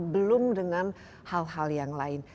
belum dengan hal hal yang lain